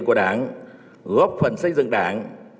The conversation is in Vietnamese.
của đảng góp phần xây dựng đảng